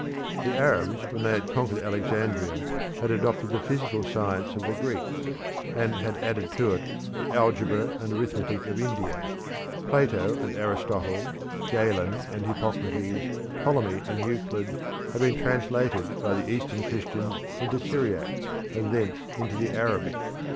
The Arabs, when they conquered Alexandria, had adopted the physical science of the Greeks, and had added to it the algebra and arithmetic of India. Plato and Aristotle, Galen and Hippocrates, Ptolemy and Euclid, had been translated by the Eastern Christians into Syriac, and thence into the Arabic.